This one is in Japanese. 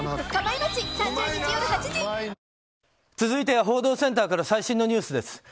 続いては報道センターから最新のニュースです。